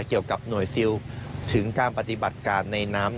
เกี่ยวกับหน่วยซิลถึงการปฏิบัติการในน้ำ